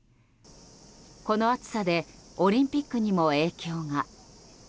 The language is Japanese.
この暑さでオリンピックにも影響が。